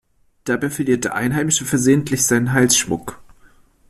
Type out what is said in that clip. Dabei verliert der Einheimische versehentlich seinen Halsschmuck.